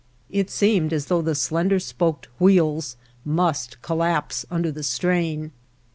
It seemed as though the slender spoked wheels must collapse under the strain.